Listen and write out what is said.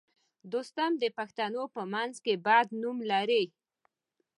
دوستم د پښتنو په منځ کې بد نوم لري